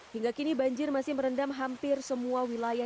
hingga kini banjir masih merendam hampir semua wilayah